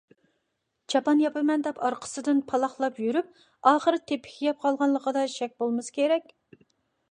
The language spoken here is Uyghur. «چاپان ياپىمەن» دەپ ئارقىسىدىن پالاقلاپ يۈرۈپ، ئاخىر «تېپىك يەپ قالغان»لىقىدا شەك بولمىسا كېرەك.